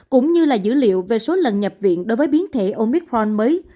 cũng như là dữ liệu về số lần nhập viện đối với biến thể omicron mới